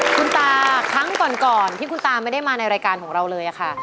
คุณตาครั้งก่อนที่คุณตาไม่ได้มาในรายการของเราเลยค่ะ